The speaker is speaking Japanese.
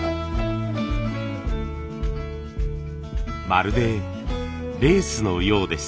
まるでレースのようです。